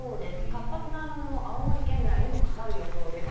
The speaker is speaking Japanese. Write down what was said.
活発な雨雲、青森県内にもかかる予想です。